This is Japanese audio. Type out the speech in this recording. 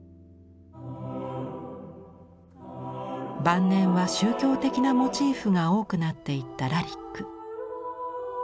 晩年は宗教的なモチーフが多くなっていったラリック。